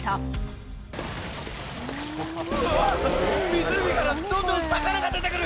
湖からどんどん魚が出て来る！